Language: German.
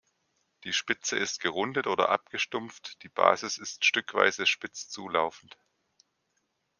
Die Spitze ist gerundet oder abgestumpft, die Basis ist stückweise spitz zulaufend.